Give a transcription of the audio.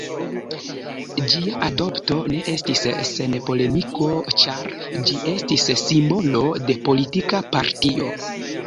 Ĝia adopto ne estis sen polemiko, ĉar ĝi estis simbolo de politika partio.